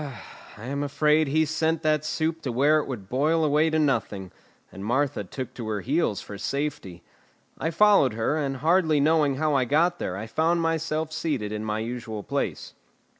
I am afraid he sent that soup to where it would boil away to nothing, and Martha took to her heels for safety. I followed her, and hardly knowing how I got there I found myself seated in my usual place.